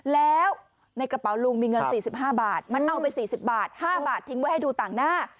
แล้วในกระเป๋าลุงมีเงิน๔๕บาทมันเอาไป๔๐บาท๕บาททิ้งไว้ให้ดูต่างหน้า